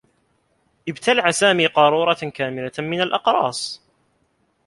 ابتلع سامي قارورة كاملة من الأقراص.